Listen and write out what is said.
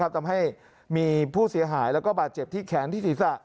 ทำให้มีผู้เสียหายแล้วก็บาดเจ็บที่แขนที่ศีรษะ